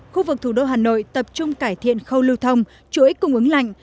khu vực thủ đô hà nội tập trung cải thiện khâu lưu thông chuỗi cung ứng lạnh